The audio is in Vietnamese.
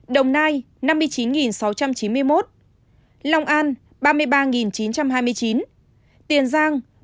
đồng nai năm mươi chín sáu trăm chín mươi một lòng an ba mươi ba chín trăm hai mươi chín tiền giang một mươi năm hai trăm bốn mươi chín